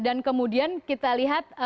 dan kemudian kita lihat